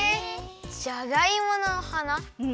じゃがいもの花？